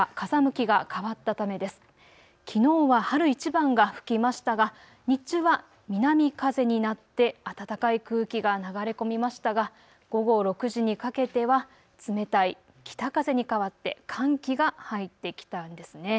きのうは春一番が吹きましたが日中は南風になって暖かい空気が流れ込みましたが午後６時にかけては冷たい北風に変わって寒気が入ってきたんですね。